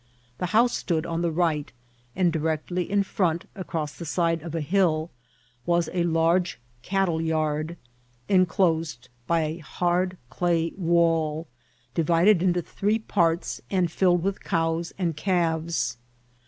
The house stood on the right, and directly in front, against the side of a hill, was a large cattle yard, enclosed by a hard clay wall, divided into three parts, and filled with cows and calves.